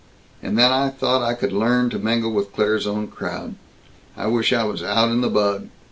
And I thought I could learn to mingle with Claire's own crowd! I wish I was out in the bug.